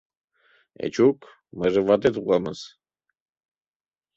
Эчук, мыйже ватет уламыс!